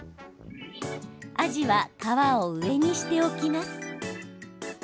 あじは皮を上にして置きます。